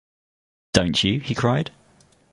“Don’t you?” he cried.